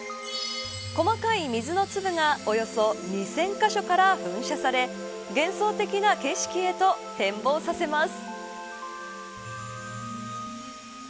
細かい水の粒がおよそ２０００カ所から噴射され幻想的な景色へと変貌させます。